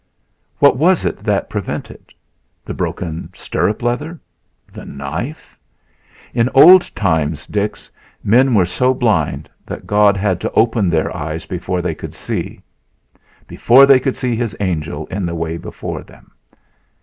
What was it that prevented? The broken stirrup leather? The knife? In old times, Dix, men were so blind that God had to open their eyes before they could see His angel in the way before them...